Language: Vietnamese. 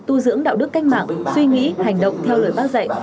tu dưỡng đạo đức cách mạng suy nghĩ hành động theo lời bác dạy